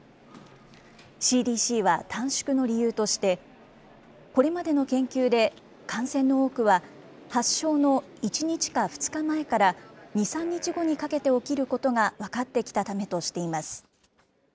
ＣＤＣは短縮の理由として、これまでの研究で、感染の多くは、発症の１日か２日前から、２、３日後にかけて起きることが分かってきたためとしています。